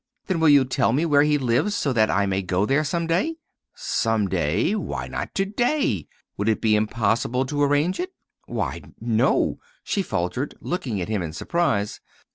"Then will you tell me where he lives so that I can go there some day?" "Some day? Why not to day? Would it be impossible to arrange it?" "Why, no," she faltered, looking at him in surprise.